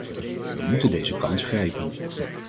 We moeten deze kans grijpen.